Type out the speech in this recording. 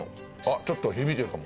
ちょっと響いてるかも。